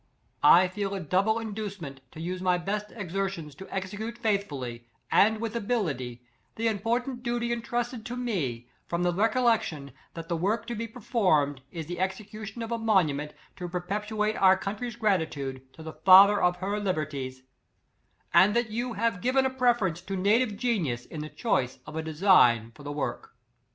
"I feel a double inducement to use my best exertions to execute faithfully, and with ability, the important duty entrusted to me, from the recollection, that the work to be performed is the execution of a monument, to perpetuate our coun try's gratitude to the father of her liber ties; and that you have given a preference to native genius in the choice of a de sign for the work."